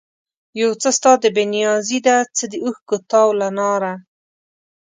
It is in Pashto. یو څه ستا د بې نیازي ده، څه د اوښکو تاو له ناره